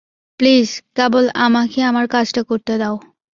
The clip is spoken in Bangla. প্লিজ, কেবল আমাকে আমার কাজটা করতে দাও।